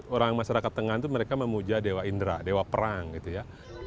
orang masyarakat tengah itu mereka memuja dewa indra dewa perang gitu ya